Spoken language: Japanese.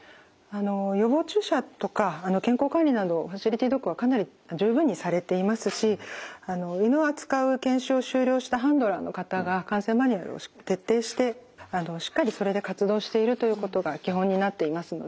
あの予防注射とか健康管理などファシリティドッグはかなり十分にされていますし犬を扱う研修を修了したハンドラーの方が感染マニュアルを徹底してしっかりそれで活動しているということが基本になっていますので。